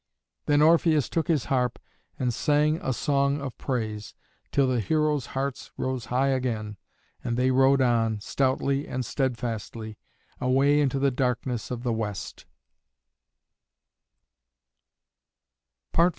Then Orpheus took his harp and sang a song of praise, till the heroes' hearts rose high again, and they rowed on, stoutly and steadfastly, away into the darkness of the West.